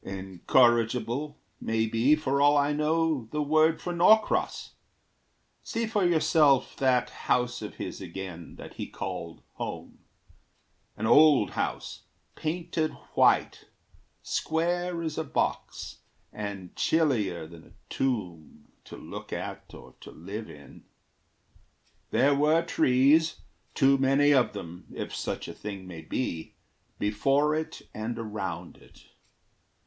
Incorrigible, May be, for all I know, the word for Norcross. See for yourself that house of his again That he called home: An old house, painted white, Square as a box, and chillier than a tomb To look at or to live in. There were trees Too many of them, if such a thing may be Before it and around it.